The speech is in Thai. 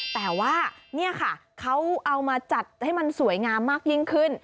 แต่ว่านี่ค่ะเขาเอามาจัดให้มันสวยงามมากยิ่งขึ้น